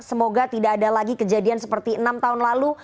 semoga tidak ada lagi kejadian seperti enam tahun lalu